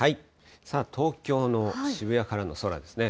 さあ、東京の渋谷からの空ですね。